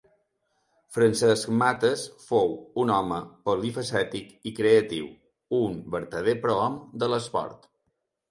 Francesc Mates fou un home polifacètic i creatiu, un vertader prohom de l’esport.